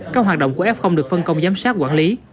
các hoạt động của f được phân công giám sát quản lý